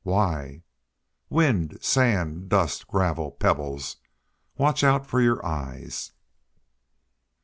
"Why?" "Wind, sand, dust, gravel, pebbles watch out for your eyes!"